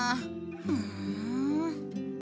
ふん。